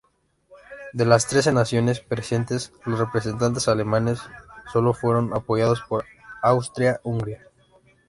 De las trece naciones presentes, los representantes alemanes sólo fueron apoyados por Austria-Hungría.